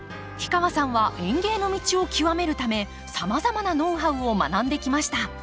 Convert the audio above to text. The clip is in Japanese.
氷川さんは園芸の道をきわめるためさまざまなノウハウを学んできました。